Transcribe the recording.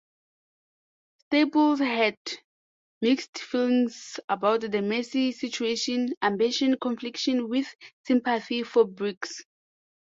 Staples has mixed feelings about the messy situation, ambition conflicting with sympathy for Briggs.